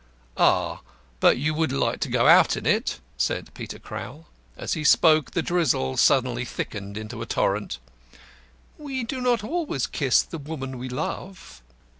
"Ah, but you wouldn't like to go out into it," said Peter Crowl. As he spoke the drizzle suddenly thickened into a torrent. "We do not always kiss the woman we love."